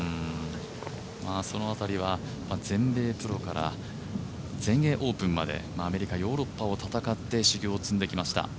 そのあたりは全米プロから全英オープンまでアメリカ、ヨーロッパを戦って修行を積んできました。